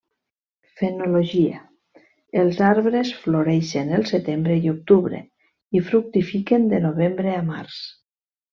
Fenologia: els arbres floreixen el setembre i octubre i fructifiquen de novembre a març.